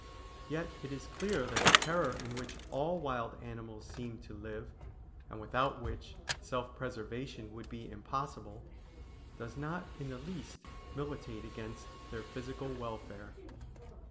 Yet it is clear that the terror in which all wild animals seem to live, and without which self preservation would be impossible, does not in the least militate against their physical welfare.